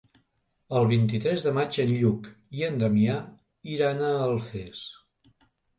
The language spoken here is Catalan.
El vint-i-tres de maig en Lluc i en Damià iran a Alfés.